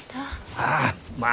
ああまあ